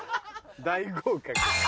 大合格。